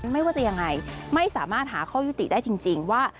ไม่ว่าจะยังไงไม่สามารถหาข้อยุติได้จริงว่า